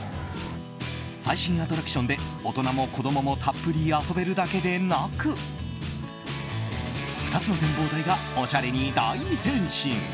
最新アトラクションで大人も子供もたっぷり遊べるだけでなく２つの展望台がおしゃれに大変身！